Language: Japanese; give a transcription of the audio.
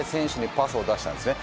パスを出したんですね。